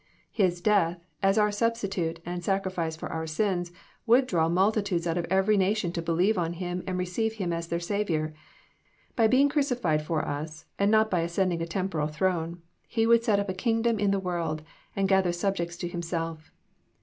His death as our Substitute, and the Sacrifice for our sins, would draw mul titudes out of every nation to believe on Him and receive Him as their Saviour. By being crucified for us, and not by ascending a temporal throne, He would set up a king dom in the world, and gather subjects to Himself.